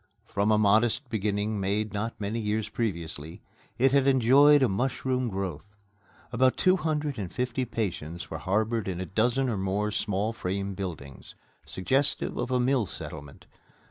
From a modest beginning made not many years previously, it had enjoyed a mushroom growth. About two hundred and fifty patients were harbored in a dozen or more small frame buildings, suggestive of a mill settlement.